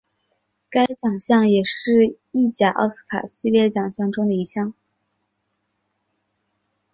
该奖项也是意甲奥斯卡系列奖项中的一项。